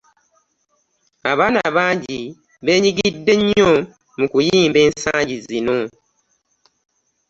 abaana bangi beenyigidde nnyo mu kuyimba ensangj zino.